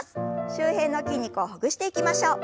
周辺の筋肉をほぐしていきましょう。